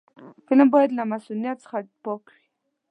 فلم باید له مصنوعیت څخه پاک وي